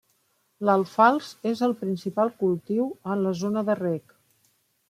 L'alfals és el principal cultiu en la zona de reg.